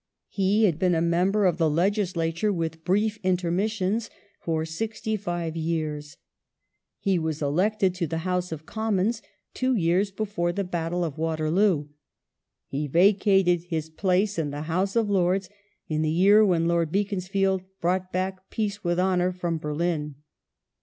He had been a member of the Legislature with brief intermissions for sixty five years : he was elected to the House of Commons two 1 years before the battle of Waterloo, he vacated his place in the House of Lords in the year when Lord Beaconsfield brought back I* Peace with Honour" from Berlin.